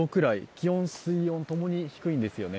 気温、水温ともに低いんですよね。